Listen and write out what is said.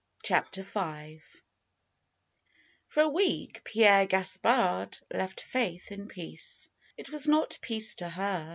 CHAPTER V For a week Pierre Gaspard left Faith in peace. It was not peace to her.